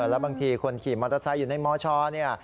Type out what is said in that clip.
แล้วบางทีคนขี่มอเตอร์ไซค์อยู่ในมชเนี่ย